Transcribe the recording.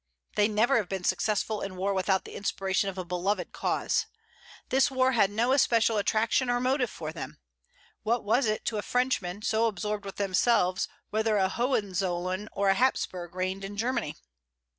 They never have been successful in war without the inspiration of a beloved cause. This war had no especial attraction or motive for them. What was it to Frenchmen, so absorbed with themselves, whether a Hohenzollern or a Hapsburg reigned in Germany?